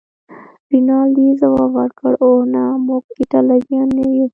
رینالډي ځواب ورکړ: اوه، نه، موږ ایټالویان نه یو.